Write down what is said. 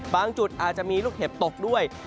จุดอาจจะมีลูกเห็บตกด้วย